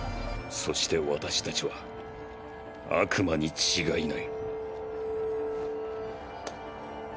そして私たちは悪魔に違いない。